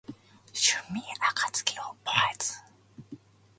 春眠暁を覚えず